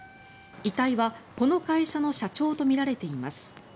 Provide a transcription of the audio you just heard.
遺体はこの会社の社長とみられています。